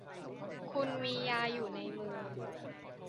คุณมียาอยู่ในมือ